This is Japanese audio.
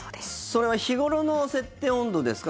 それは日頃の設定温度ですか？